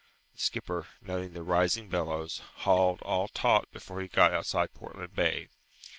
The skipper, noting the rising billows, hauled all taut before he got outside Portland Bay.